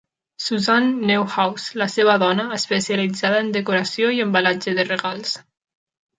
Suzanne Neuhaus, la seva dona, especialitzada en decoració i embalatge de regals.